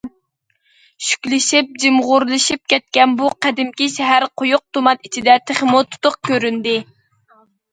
شۈكلىشىپ، جىمىغۇرلىشىپ كەتكەن بۇ قەدىمكى شەھەر قويۇق تۇمان ئىچىدە تېخىمۇ تۇتۇق كۆرۈندى.